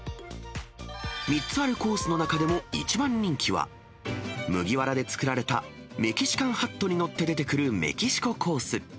３つあるコースの中でも一番人気は、麦わらで作られたメキシカンハットに載って出てくるメキシココース。